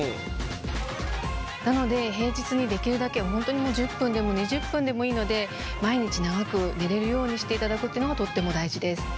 なので平日にできるだけ本当にもう１０分でも２０分でもいいので毎日長く寝れるようにしていただくっていうのがとっても大事です。